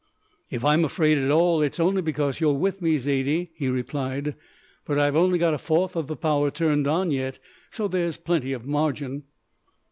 "If I'm afraid at all it's only because you are with me, Zaidie," he replied, "but I've only got a fourth of the power turned on yet, so there's plenty of margin."